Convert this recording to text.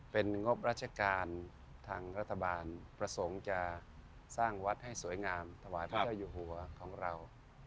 เป็นงบราชการทางรัฐบาลประสงค์จะสร้างวัดให้สวยงามถวายพระเจ้าอยู่หัวของเรา